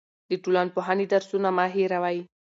د ټولنپوهنې درسونه مه هېروئ.